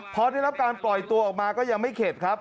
พอได้รับการปล่อยตัวออกมาก็ยังไม่เข็ดครับ